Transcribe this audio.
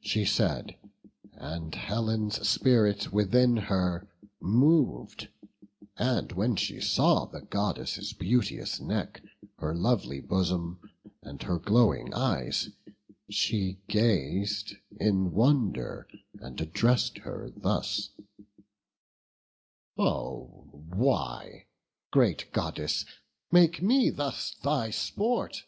She said, and Helen's spirit within her mov'd; And when she saw the Goddess' beauteous neck, Her lovely bosom, and her glowing eyes, She gaz'd in wonder, and address'd her thus: "Oh why, great Goddess, make me thus thy sport?